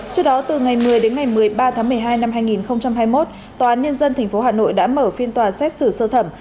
trước đó từ ngày một mươi đến ngày một mươi ba tháng một mươi hai năm hai nghìn hai mươi một tòa án nhân dân tp hà nội đã mở phiên tòa xét xử sơ thẩm